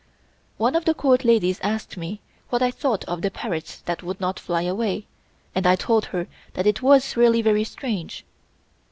One of the Court ladies asked me what I thought of the parrots that would not fly away, and I told her that it was really very strange.